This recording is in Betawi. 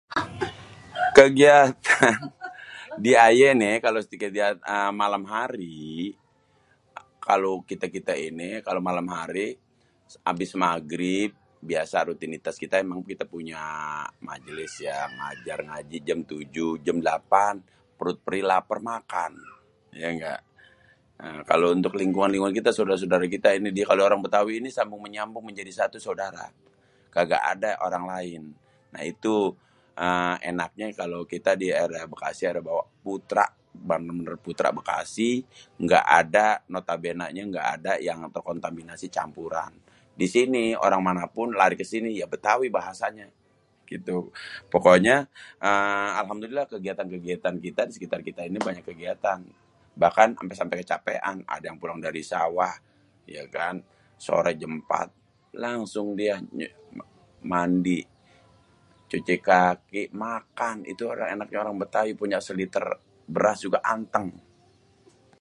Kegiatan di ayé nih kalo malem hari kalo kité-kité ini kalo malem hari abis Magrib biasa rutinitas kita emang kita punya majelis ya ngajar ngaji jam tujuh. Jam delapan perut perih laper makan, iya gak. Kalo untuk lingkungan-lingkungan kita saudara-saudara ini kalo orang Betawi ini sambung-menyambung menjadi satu saudara. Kagak ada orang lain. Nah itu eee enaknya kalo kita di era Bekasi, era Putra, era Bandung Putra, Bekasi. Gak ada, gak ada notabenanya yang terkontaminasi campuran. Di sini orang manapun lari ke sini ya Bétawi bahasanya. Gitu. Pokoknya eee alhamdulillah kegiatan-kegiatan kita di sekitar kita ini banyak kegiatan. Bahkan ampé sampé kecapean ada yang pulang dari sawah ya kan sore jam empat langsung dia mandi, cuci kaki, makan. Itu enaknya orang Bétawi punya seliter beras juga anteng.